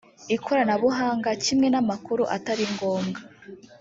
ikoranabuhanga kimwe n amakuru atari ngombwa